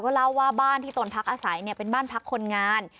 เล่าว่าบ้านที่ตนพักอาศัยเป็นบ้านพักคนงาน